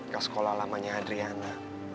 ke sekolah lamanya adriana